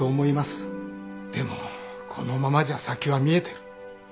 でもこのままじゃ先は見えてる。